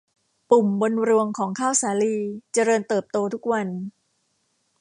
ปุ่มบนรวงของข้าวสาลีเจริญเติบโตทุกวัน